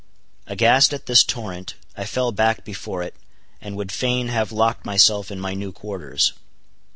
Aghast at this torrent, I fell back before it, and would fain have locked myself in my new quarters.